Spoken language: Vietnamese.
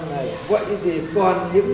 đấy là cái thứ nhất